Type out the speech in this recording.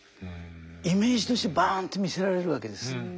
イメージとしてバーンと見せられるわけです。